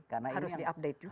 harus diupdate juga